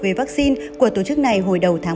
về vaccine của tổ chức này hồi đầu tháng một mươi hai